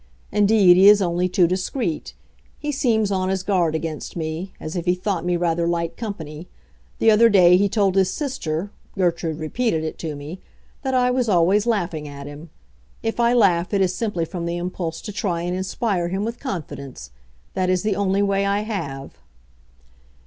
Indeed, he is only too discreet; he seems on his guard against me—as if he thought me rather light company. The other day he told his sister—Gertrude repeated it to me—that I was always laughing at him. If I laugh it is simply from the impulse to try and inspire him with confidence. That is the only way I have."